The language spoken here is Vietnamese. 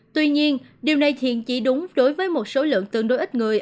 tuy nhiên điều này thiện chỉ đúng đối với một số lượng tương đối ít người